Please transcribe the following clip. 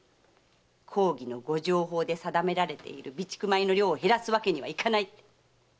公儀の御定法で定められている備蓄米の量を減らすわけにはいかないってね。